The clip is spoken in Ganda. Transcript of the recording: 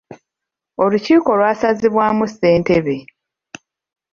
Olukiiko lwasazibwamu ssentebe.